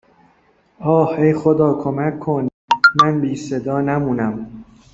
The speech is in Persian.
آه ای خدا کمک کن من بی صدا نمونم